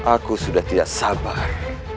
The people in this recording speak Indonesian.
aku sudah tidak sabar